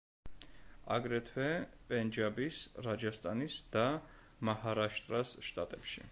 აგრეთვე, პენჯაბის, რაჯასტანის და მაჰარაშტრას შტატებში.